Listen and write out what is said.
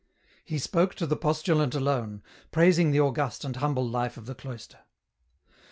He spoke to the postulant alone, praising the august and humble life of the cloister.